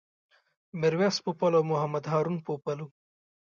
میرویس پوپل او محمد هارون پوپل و.